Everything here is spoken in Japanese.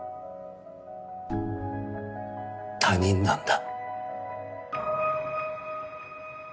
他人なんだ。